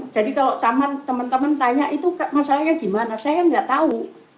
jadi kalau teman teman tanya itu masalahnya gimana saya tidak tahu